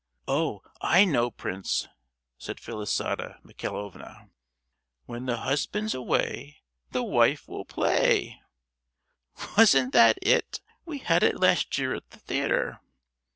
"Oh, I know, prince," said Felisata Michaelovna— " 'When the husband's away The wife will play!" "Wasn't that it? We had it last year at the theatre."